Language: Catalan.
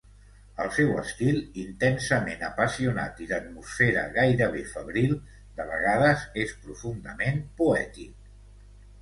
El seu estil intensament apassionat i d'atmosfera gairebé febril, de vegades és profundament poètic.